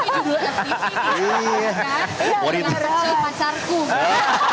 iya dengan seseorang masyarku